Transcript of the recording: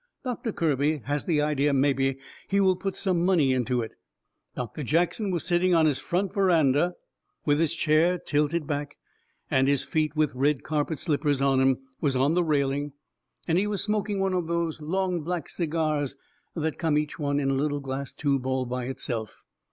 Doctor Kirby has the idea mebby he will put some money into it. Doctor Jackson was setting on his front veranda with his chair tilted back, and his feet, with red carpet slippers on 'em, was on the railing, and he was smoking one of these long black cigars that comes each one in a little glass tube all by itself.